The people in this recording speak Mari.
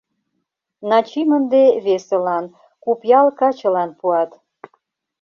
Начим ынде весылан, Купъял качылан, пуат...